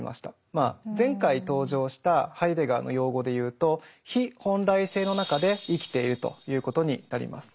まあ前回登場したハイデガーの用語でいうと「非本来性」の中で生きているということになります。